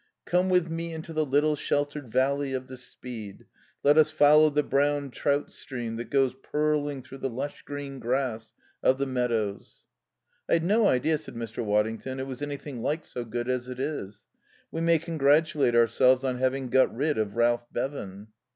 "'Come with me into the little sheltered valley of the Speed. Let us follow the brown trout stream that goes purling through the lush green grass of the meadows '" "I'd no idea," said Mr. Waddington, "it was anything like so good as it is. We may congratulate ourselves on having got rid of Ralph Bevan."